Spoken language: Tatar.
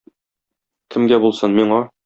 Кемгә булсын, миңа!